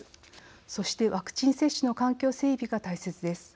そしてワクチン接種の環境整備が大切です。